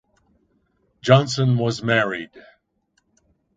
Johnson was married.